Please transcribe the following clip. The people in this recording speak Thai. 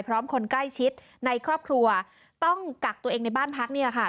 คนใกล้ชิดในครอบครัวต้องกักตัวเองในบ้านพักนี่แหละค่ะ